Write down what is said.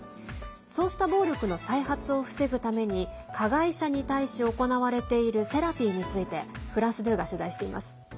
そうした暴力の再発を防ぐために加害者に対し行われているセラピーについてフランス２が取材しています。